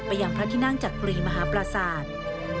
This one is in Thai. ยังพระที่นั่งจักรีมหาปราศาสตร์